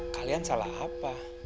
kalian salah apa